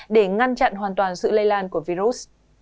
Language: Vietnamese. để ngăn chặn hoàn toàn sự lây lan của virus